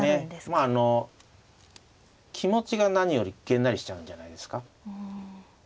まああの気持ちが何よりげんなりしちゃうんじゃないですか。